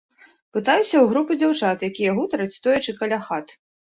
Пытаюся ў групы дзяўчат, якія гутараць, стоячы каля хат.